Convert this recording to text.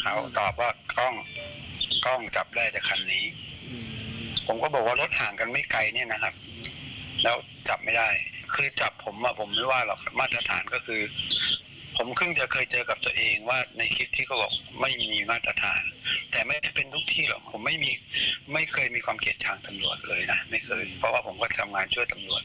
เขาตอบว่ากล้องกล้องจับได้แต่คันนี้ผมก็บอกว่ารถห่างกันไม่ไกลเนี่ยนะครับแล้วจับไม่ได้คือจับผมอ่ะผมไม่ว่าหรอกครับมาตรฐานก็คือผมเพิ่งจะเคยเจอกับตัวเองว่าในคลิปที่เขาบอกไม่มีมาตรฐานแต่ไม่ได้เป็นทุกที่หรอกผมไม่มีไม่เคยมีความเกลียดชังตำรวจเลยนะไม่เคยเพราะว่าผมก็ทำงานช่วยตำรวจ